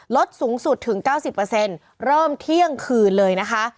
ลดสูงสุดถึง๙๐เริ่มเที่ยงคืนเลยนะคะ